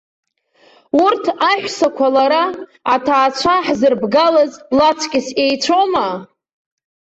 Урҭ аҳәсақәа лара, аҭаацәа хзырбгалаз лаҵкыс еицәоума?